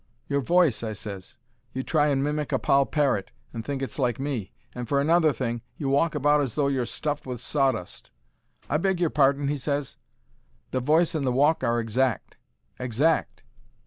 "Your voice," I ses. "You try and mimic a poll parrot, and think it's like me. And, for another thing, you walk about as though you're stuffed with sawdust." "I beg your pardon," he ses; "the voice and the walk are exact. Exact."